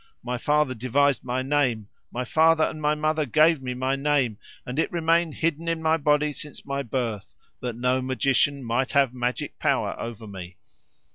My father devised my name; my father and my mother gave me my name, and it remained hidden in my body since my birth, that no magician might have magic power over me.